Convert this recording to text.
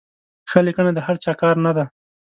ښه لیکنه د هر چا کار نه دی.